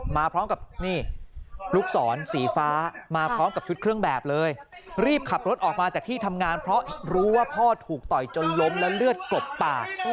มาพร้อมกับนี่ลูกศรสีฟ้ามาพร้อมกับชุดเครื่องแบบเลยรีบขับรถออกมาจากที่ทำงานเพราะรู้ว่าพ่อถูกต่อยจนล้มและเลือดกลบปาก